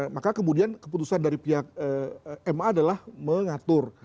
maka kemudian keputusan dari pihak ma adalah mengatur